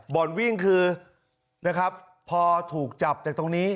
บอดวิ่งคือพอถูกจับแต่ตรงนี้